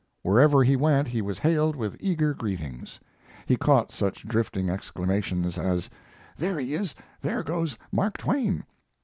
Wherever he went, he was hailed with eager greetings. He caught such drifting exclamations as, "There he is! There goes Mark Twain!"